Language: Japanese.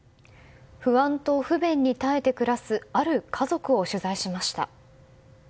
不安と不便に耐えて暮らすある家族を取材しました。